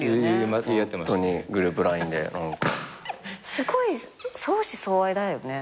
すごい相思相愛だよね。